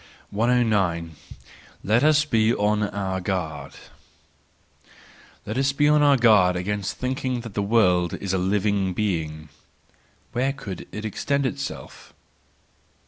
109. Let us be on our Guard .—Let us be on our guard against thinking that the world is a living being. Where could it extend itself?